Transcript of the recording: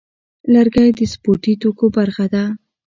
لرګی د سپورتي توکو برخه ده.